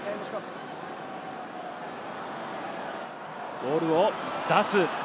ボールを出す。